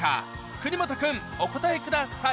国本君お答えください